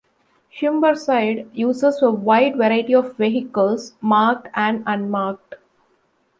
Humberside uses a wide variety of vehicles, marked and unmarked.